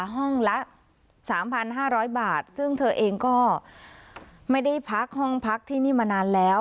ห้องละ๓๕๐๐บาทซึ่งเธอเองก็ไม่ได้พักห้องพักที่นี่มานานแล้ว